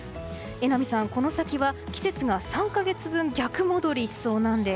榎並さん、この先は季節が３か月分逆戻りしそうなんです。